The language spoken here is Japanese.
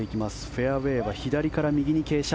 フェアウェーは左から右に傾斜。